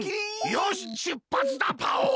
よししゅっぱつだパオン！